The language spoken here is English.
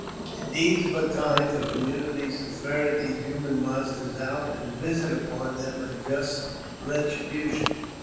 It needs but time for communities to ferret these human monsters out and visit upon them a just retribution.